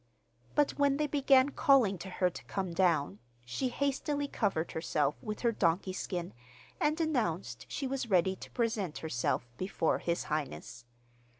But when they began calling to her to come down, she hastily covered herself with her donkey skin and announced she was ready to present herself before his Highness.